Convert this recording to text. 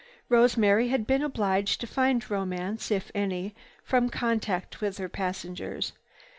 Rosemary had been obliged to find romance, if any, from contact with her passengers.